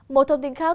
bộ thông tin khác